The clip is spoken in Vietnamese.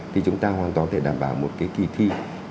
thì chúng ta hoàn toàn thể đảm bảo một cái kỳ thi